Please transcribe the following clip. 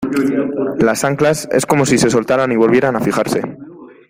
las anclas, es como si se soltaran y volvieran a fijarse.